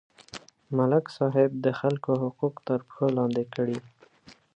ملک صاحب د خلکو حقوق تر پښو لاندې کړي.